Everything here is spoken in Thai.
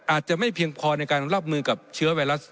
อาจจะไม่เพียงพอในการรับมือกับเชื้อไวรัส